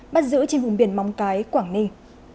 bắt giữ trên vùng biển móng cái quảng ninh